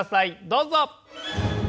どうぞ。